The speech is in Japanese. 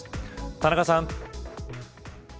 田中さん。